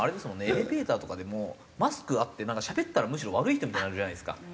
エレベーターとかでもマスクあってなんかしゃべったらむしろ悪い人みたいになるじゃないですか。